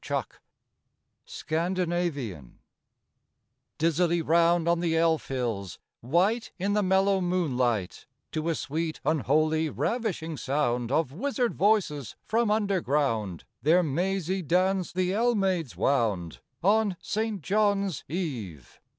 JOHN (Scandinavian) Dizzily round, On the elf hills, white in the mellow moonlight, To a sweet, unholy, ravishing sound Of wizard voices from underground, Their mazy dance the Elle maids wound On St. John's Eve.